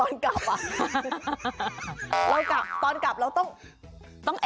ต้องรักลอบอย่างงี้